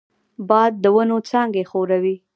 باد د ونو څانګې ښوروي